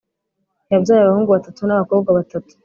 yabyaye abahungu batatu n’abakobwa batatu,